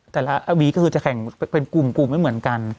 แต่ละอาวีก็คือจะแข่งเป็นกลุ่มไม่เหมือนกัน